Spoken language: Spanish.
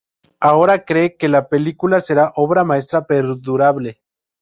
Ahora cree que la película será "Obra maestra perdurable".